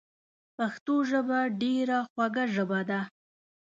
پښتو ژبه ډیره خوږه ژبه ده